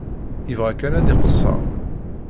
Yebɣa kan ad iqeṣṣer.